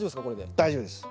大丈夫ですか？